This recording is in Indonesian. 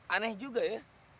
aneh juga ya